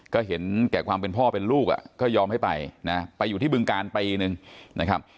ก็เห็นแก่ความเป็นพ่อเป็นลูกอ่ะก็ยอมให้ไปนะไปอยู่ที่บึงการปีนึงนะครับ